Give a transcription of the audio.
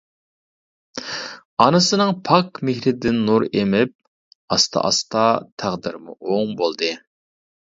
ئانىسىنىڭ پاك مېھرىدىن نۇر ئېمىپ، ئاستا-ئاستا تەقدىرىمۇ ئوڭ بولدى.